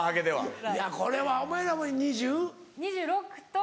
いやこれはお前らも２０？２６と。